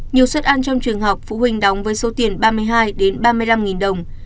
nhiều xuất ăn trong trường học phụ huynh đóng với số tiền ba mươi hai ba mươi năm đồng